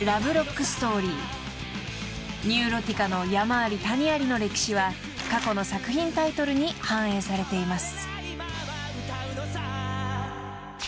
［ニューロティカの山あり谷ありの歴史は過去の作品タイトルに反映されています］